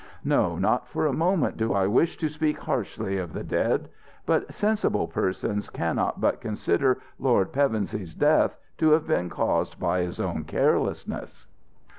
No, not for a moment do I wish to speak harshly of the dead, but sensible persons cannot but consider Lord Pevensey's death to have been caused by his own carelessness."